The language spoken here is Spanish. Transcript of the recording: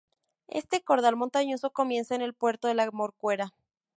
Este cordal montañoso comienza en el puerto de la Morcuera.